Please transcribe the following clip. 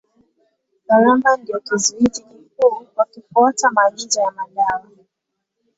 Gharama ndio kizuizi kikuu kwa kufuata maagizo ya madawa.